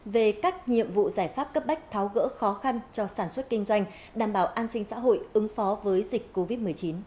về các nhiệm vụ giải pháp cấp bách tháo gỡ khó khăn cho sản xuất kinh doanh đảm bảo an sinh xã hội ứng phó với dịch covid một mươi chín